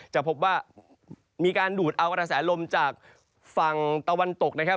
จะพบว่ามีการดูดเอากระแสลมจากฝั่งตะวันตกนะครับ